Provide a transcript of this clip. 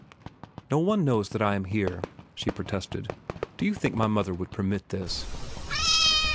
"No one knows that I am here," she protested. "Do you think my mother would permit this?"